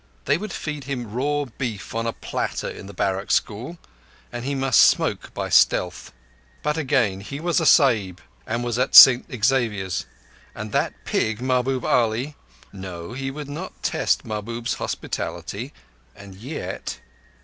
They would feed him raw beef on a platter at the barrack school, and he must smoke by stealth. But again, he was a Sahib and was at St Xavier's, and that pig Mahbub Ali ... No, he would not test Mahbub's hospitality—and yet